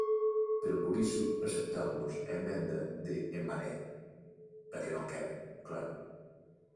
Pero por iso aceptamos a emenda de En Marea, para que non queden, claro.